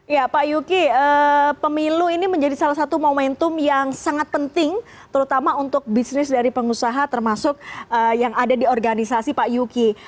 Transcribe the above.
ya pak yuki pemilu ini menjadi salah satu momentum yang sangat penting terutama untuk bisnis dari pengusaha termasuk yang ada di organisasi pak yuki